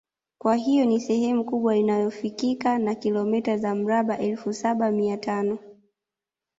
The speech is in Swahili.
Kwa hiyo ni sehemu kubwa inayofikika ya kilomita za mraba elfu Saba Mia tano